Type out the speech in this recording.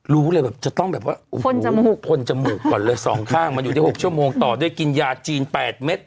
รู้เลยแบบจะต้องแบบว่าพ่นจมูกก่อนเลยสองข้างมันอยู่ได้๖ชั่วโมงต่อด้วยกินยาจีน๘เม็ด